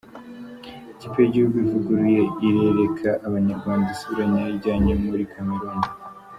Ikipe y’igihugu ivuguruye irereka Abanyarwanda isura nyayo ijyanye muri Cameroun.